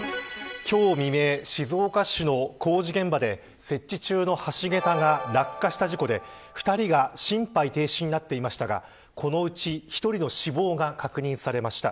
今日未明、静岡市の工事現場で設置中の橋げたが落下した事故で、２人が心肺停止になっていましたがこのうち１人の死亡が確認されました。